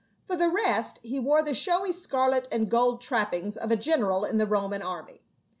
For the rest, he wore the showy scarlet and gold trappings of a general in the Roman army.